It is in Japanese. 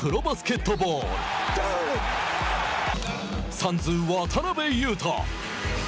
サンズ、渡邊雄太。